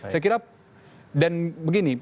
saya kira dan begini